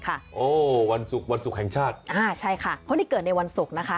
โอ้วันศุกร์วันศุกร์แห่งชาติอ่าใช่ค่ะเพราะนี่เกิดในวันศุกร์นะคะ